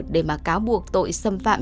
để mà cáo buộc tội xâm phạm